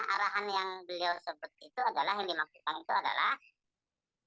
arahan yang beliau sebut itu adalah yang dimaksudkan itu adalah